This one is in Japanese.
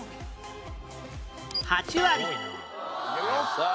さあ